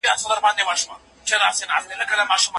که ته په خپله خبره زور ونه کړې نو حقیقت به ښکاره شي.